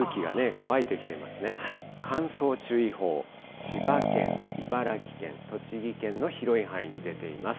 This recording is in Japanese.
乾燥注意報、千葉県、茨城県、栃木県の広い範囲に出ています。